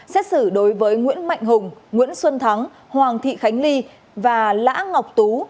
xét xử đối với nguyễn mạnh hùng nguyễn xuân thắng hoàng thị khánh ly và lã ngọc tú